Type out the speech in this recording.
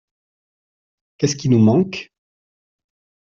Qu’est-ce qui nous manque ?…